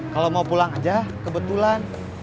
kalau mau pulang aja kebetulan